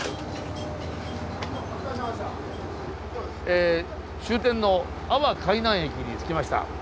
え終点の阿波海南駅に着きました。